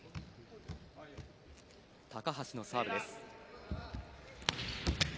高橋のサーブです。